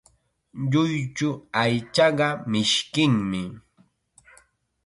Lluychu aychata mishkinmi.